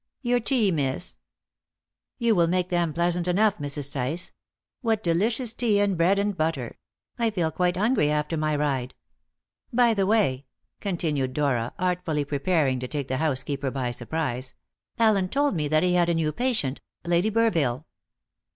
Your tea, miss." "You will make them pleasant enough, Mrs. Tice. What delicious tea and bread and butter! I feel quite hungry after my ride. By the way," continued Dora, artfully preparing to take the housekeeper by surprise, "Allen told me that he had a new patient Lady Burville."